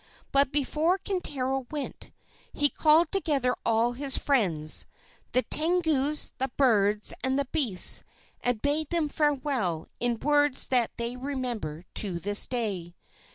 But before Kintaro went, he called together all his friends, the Tengus, the birds, and the beasts, and bade them farewell, in words that they remember to this day.